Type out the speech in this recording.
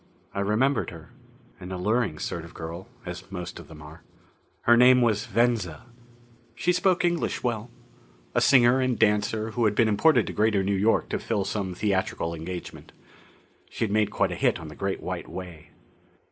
I remembered her. An alluring sort of girl, as most of them are. Her name was Venza. She spoke English well. A singer and dancer who had been imported to Greater New York to fill some theatrical engagement. She'd made quite a hit on the Great White Way.